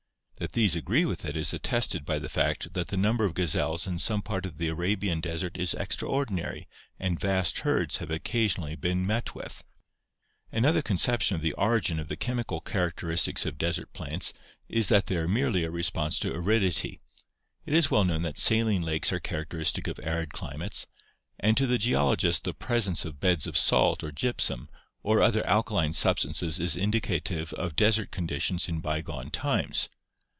That these agree with it is attested by the fact that the number of gazelles in some parts of the Arabian desert is extraordinary and vast herds have occasionally been met with. Another conception of the origin of the chemical characteristics 400 ORGANIC EVOLUTION of desert plants is that they are merely a response to aridity. It is well known that saline lakes are characteristic of arid climates, and to the geologist the presence of beds of salt or gypsum or other alkaline substances is indicative of desert conditions in bygone times.